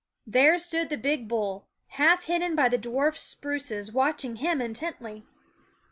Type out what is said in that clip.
There stood the big *hty bull, na ^ hidden by the dwarf spruces, watching him intently.